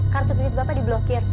kartu pinit bapak diblokir